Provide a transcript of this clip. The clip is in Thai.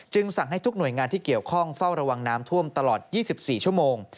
สั่งให้ทุกหน่วยงานที่เกี่ยวข้องเฝ้าระวังน้ำท่วมตลอด๒๔ชั่วโมง